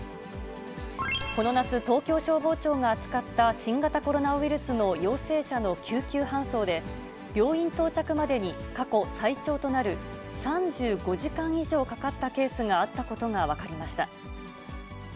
この夏、東京消防庁が扱った新型コロナウイルスの陽性者の救急搬送で、病院到着までに、過去最長となる３５時間以上かかったケースがあったことが分かりました。